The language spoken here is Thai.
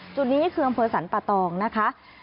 จุดนี้คืออำเภอสรรปะตองนะคะ